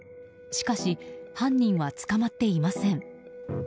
しかし犯人は捕まっていません。